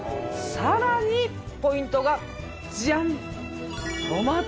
さらにポイントがジャン！